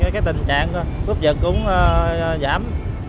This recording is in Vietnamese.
cái tình trạng rút giật cũng giảm